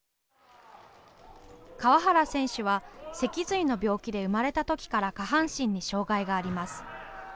川原選手は脊髄の病気で生まれたときから下半身に障害があります。